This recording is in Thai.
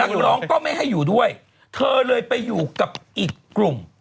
ร้องก็ไม่ให้อยู่ด้วยเธอเลยไปอยู่กับอีกกลุ่ม